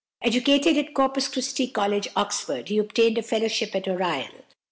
Educated at Corpus Christi College, Oxford, he obtained a fellowship at Oriel.